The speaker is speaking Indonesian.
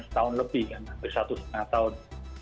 setahun lebih kan hampir satu setengah tahun